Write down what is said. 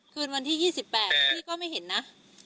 คืนวันที่๒๘พี่ก็ไม่เห็นนะ